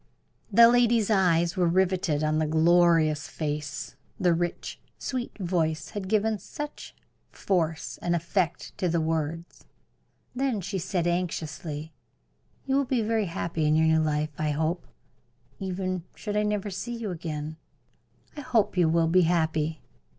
The lady's eyes were riveted on the glorious face; the rich, sweet voice had given such force and effect to the words. Then she said, anxiously: "You will be very happy in your new life, I hope even should I never see you again I hope you will be happy."